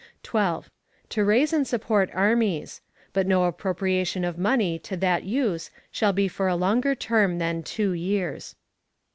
12. To raise and support armies; but no appropriation of money to that use shall be for a longer term than two years.